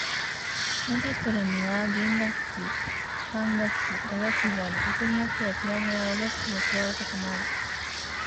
オーケストラには弦楽器、管楽器、打楽器があり、曲によってはピアノや和楽器が加わることもある。